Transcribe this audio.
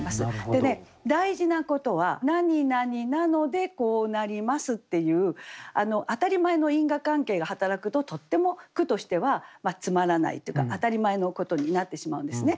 でね大事なことはなになになのでこうなりますっていう当たり前の因果関係が働くととっても句としてはつまらないというか当たり前のことになってしまうんですね。